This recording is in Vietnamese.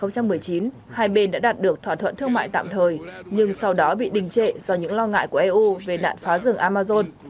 caribe đã đạt được thỏa thuận thương mại tạm thời nhưng sau đó bị đình trệ do những lo ngại của eu về nạn phá rừng amazon